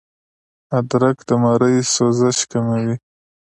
ادرک د مرۍ سوزش کموي